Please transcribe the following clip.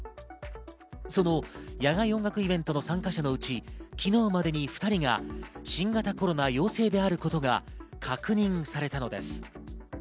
その野外音楽イベントの参加者のうち、昨日までに２人が新型コロナ陽性であることが確認されたのです。